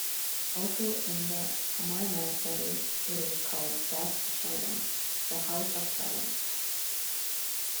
Also in the Amarna letters, it is called Beth-Shalem, the house of Shalem.